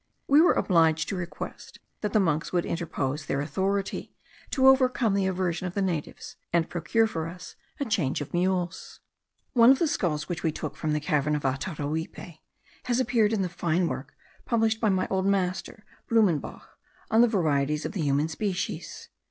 We were obliged to request that the monks would interpose their authority, to overcome the aversion of the natives, and procure for us a change of mules. One of the skulls, which we took from the cavern of Ataruipe, has appeared in the fine work published by my old master, Blumenbach, on the varieties of the human species.